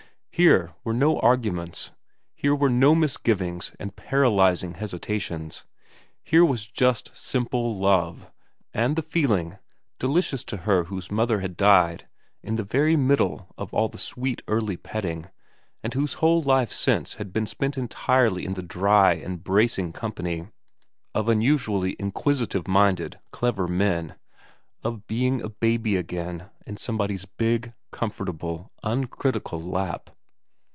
Here were no arguments ; here were no misgivings and paralysing hesitations. Here was just simple love, and the feeling delicious to her whose mother had died in the very middle of all the sweet early petting, and whose whole life since had been spent entirely in the dry and bracing company of unusually inquisitive minded, clever men of being a baby again in somebody's big, comfortable, uncritical lap.